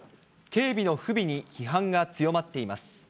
警備の不備に批判が強まっています。